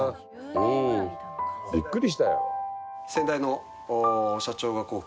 うんビックリしたよ。